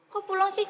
kok pulang sih